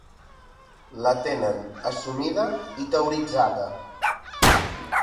La tenen assumida i teoritzada.